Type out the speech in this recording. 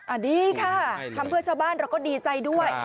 อันนี้ค่ะทำเพื่อชาวบ้านเราก็ดีใจด้วย